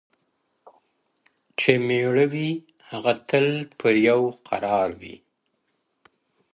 • چي مېړه وي هغه تل پر یو قرار وي ,